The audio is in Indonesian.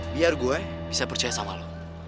biar gue bisa percaya sama lo